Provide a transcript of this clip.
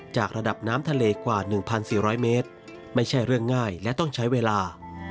จากระดับน้ำทะเลกว่า๑๔๐๐เมตรไม่ใช่เรื่องง่ายและต้องใช้เวลา